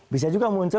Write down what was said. bisa juga muncul